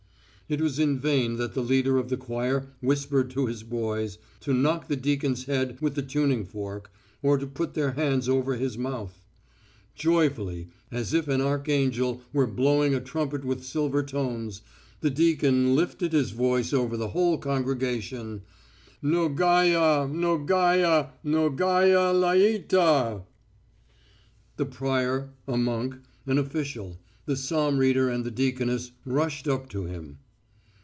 It was in vain that the leader of the choir whispered to his boys, to knock the deacon's head with the tuning fork, or to put their hands over his mouth. Joyfully, as if an archangel were blowing a trumpet with silver tones, the deacon lifted his voice over the whole congregation: "Mnogaya, mnogaya, mnogaya lyeta." The prior, a monk, an official, the psalm reader and the deaconess rushed up to him.